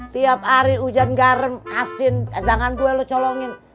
tiap hari hujan garam asin jangan gue lo colongin